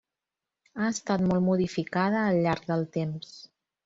Ha estat molt modificada al llarg del temps.